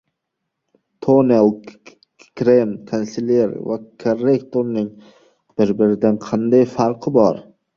Tonal krem, konsiler va korrektorning bir-biridan qanday farqi bor?